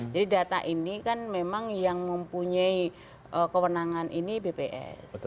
jadi data ini kan memang yang mempunyai kewenangan ini bps